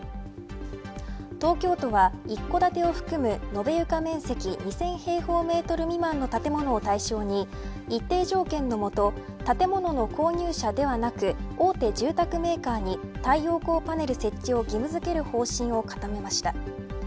東京都は一戸建てを含む延べ床面積２０００平方メートル未満の建物を対象に一定条件のもと建物の購入者ではなく大手住宅メーカーに太陽光パネル設置を義務づける方針を固めました。